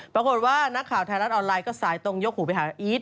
ปรากฏว่านักข่าวไทยรัฐออนไลน์ก็สายตรงยกหูไปหาอีท